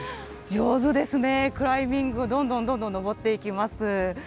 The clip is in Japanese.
上手ですね、クライミング、どんどんどんどん登っていきます。